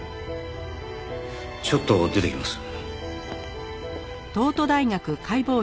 ちょっと出てきます。